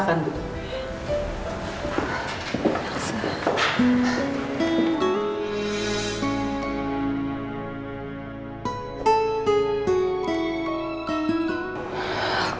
aku kangen sama mbak